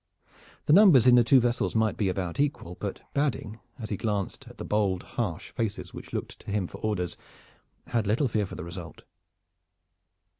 The numbers in the two vessels might be about equal; but Badding as he glanced at the bold harsh faces which looked to him for orders had little fear for the result.